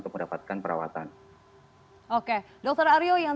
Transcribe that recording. untuk mendapatkan perawatan